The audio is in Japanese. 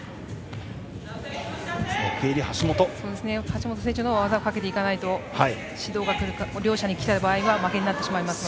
橋本選手は技をかけて行かないと指導が両者に来た場合は負けになってしまいます。